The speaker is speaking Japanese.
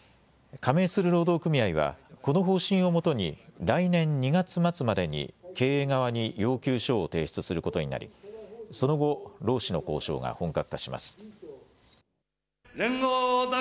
加盟する労働組合は、この方針をもとに来年２月末までに経営側に要求書を提出することになりその後、労使の交渉が本格化します。